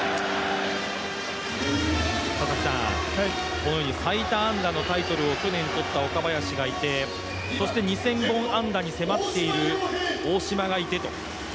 このように最多安打のタイトルを去年とった岡林がいてそして２０００本安打に迫っている、大島がいてと。